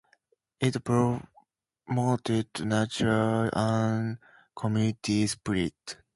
It promotes nature and community spirit.